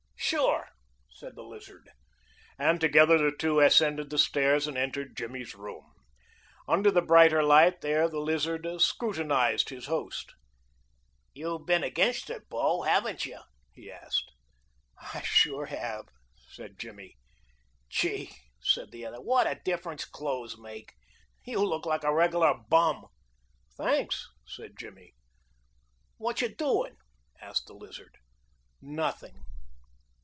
"Sure," said the Lizard, and together the two ascended the stairs and entered Jimmy's room. Under the brighter light there the Lizard scrutinized his host. "You been against it, bo, haven't you?" he asked. "I sure have," said Jimmy. "Gee," said the other, "what a difference clothes make! You look like a regular bum." "Thanks," said Jimmy. "What you doin'?" asked the Lizard. "Nothing."